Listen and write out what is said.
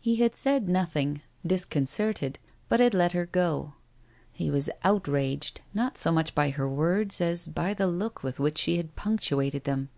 He had said nothing, disconcerted, but had let her go. He was outraged, not so much by her words, as by the look with which she had punctuated them.